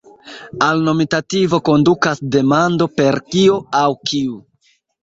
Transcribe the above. Al nominativo kondukas demando per "kio" aŭ "kiu".